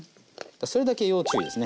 それだけ要注意ですね。